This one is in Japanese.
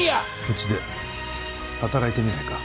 うちで働いてみないか？